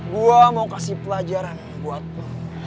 gue mau kasih pelajaran buat lo